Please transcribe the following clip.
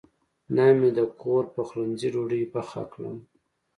نن مې د کور پخلنځي ډوډۍ پخه کړه.